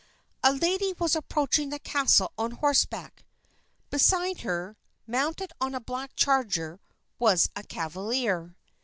A lady was approaching the castle on horseback. Beside her, mounted on a black charger, was a cavalier.